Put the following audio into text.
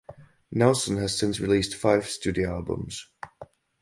Nelson has since released five studio albums.